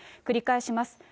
繰り返します。